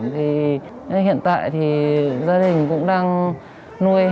thì hiện tại thì gia đình cũng tạm thời đi vào ổn định